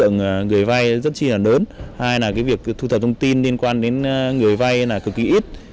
người vay rất chi là lớn hai là cái việc thu thập thông tin liên quan đến người vay là cực kỳ ít